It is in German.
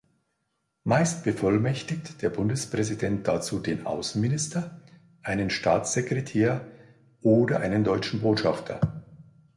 Meist bevollmächtigt der Bundespräsident dazu den Außenminister, einen Staatssekretär oder einen deutschen Botschafter.